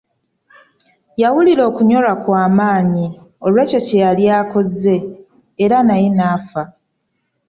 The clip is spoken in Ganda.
Yawulira okunyolwa kwa maanyi olw'ekyo kye yali akoze era naye n'afa.